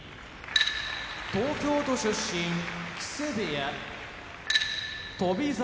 東京都出身木瀬部屋翔猿